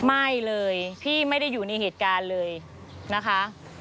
ไม่เลยพี่ไม่ได้อยู่ในเหตุการณ์เลยนะคะ